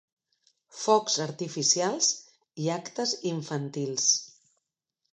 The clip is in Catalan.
Focs artificials i actes infantils.